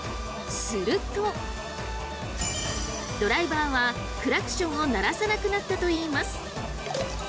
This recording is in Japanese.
するとドライバーはクラクションを鳴らさなくなったといいます。